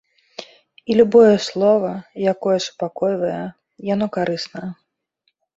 І любое слова, якое супакойвае, яно карысна.